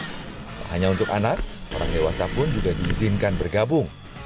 tidak hanya untuk anak orang dewasa pun juga diizinkan bergabung